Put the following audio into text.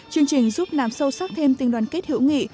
chương trình giúp làm sâu sắc thêm tình đoàn kết hữu nghị